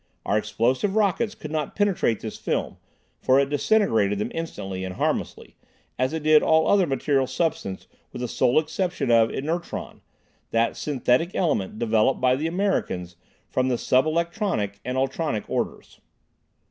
Our explosive rockets could not penetrate this film, for it disintegrated them instantly and harmlessly, as it did all other material substance with the sole exception of "inertron," that synthetic element developed by the Americans from the sub electronic and ultronic orders.